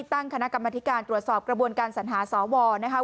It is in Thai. ตั้งคณะกรรมนาฬิการตรวจสอบกระบวนการสัญหาศาสตร์วนะครับ